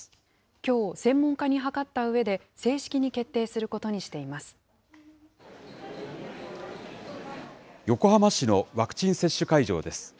きょう、専門家に諮ったうえで、正式に決定することにしてい横浜市のワクチン接種会場です。